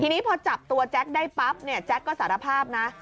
ทีนี้พอจับตัวแจ๊คได้ปั๊บเนี่ยแจ็คก็สารภาพนะ